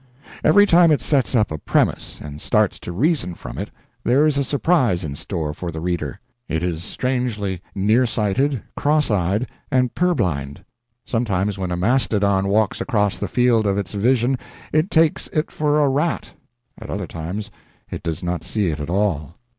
Every time it sets up a premise and starts to reason from it, there is a surprise in store for the reader. It is strangely nearsighted, cross eyed, and purblind. Sometimes when a mastodon walks across the field of its vision it takes it for a rat; at other times it does not see it at all.